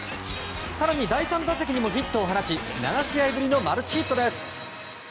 更に第３打席にもヒットを放ち７試合ぶりのマルチヒットです。